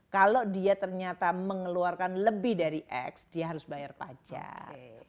kalau dia ternyata mengeluarkan lebih dari x dia harus bayar pajak